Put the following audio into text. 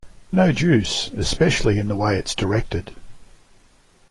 No juice, especially in the way it's directed.